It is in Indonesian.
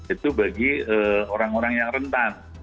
itu bagi orang orang yang rentan